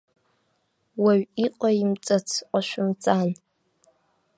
Уаҩ иҟаимҵац ҟашәымҵан!